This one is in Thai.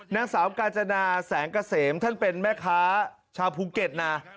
นางสาวกาญจนาแสงเกษมท่านเป็นแม่ค้าชาวภูเก็ตนะ